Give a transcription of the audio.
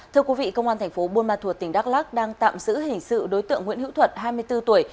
thưa quý vị công an thành phố buôn ma thuột tỉnh đắk lắc đang tạm giữ hình sự đối tượng nguyễn hữu thuận hai mươi bốn tuổi